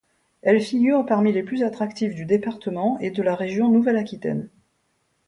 Elle figure parmi les plus attractives du département et de la région Nouvelle-Aquitaine.